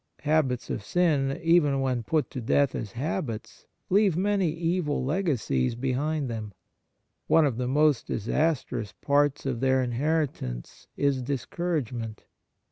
Habits of sin, even when put to death as habits, leave many evil legacies behind them. One of the most disastrous parts of their inherit ance is discouragement.